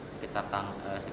sekitar dua puluh jam